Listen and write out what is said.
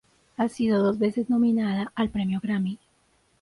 Ha sido dos veces nominada al Premio Grammy.